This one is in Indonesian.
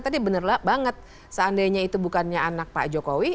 tadi bener banget seandainya itu bukannya anak pak jokowi